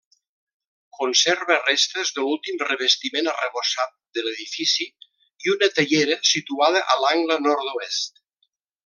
Conserva restes de l'últim revestiment arrebossat de l'edifici i una teiera situada a l'angle nord-oest.